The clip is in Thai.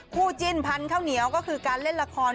คู่จิ้นพันธุ์ข้าวเหนียวก็คือการเล่นละคร